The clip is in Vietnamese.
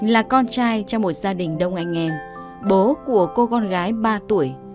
là con trai trong một gia đình đông anh em bố của cô con gái ba tuổi